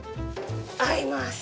合います！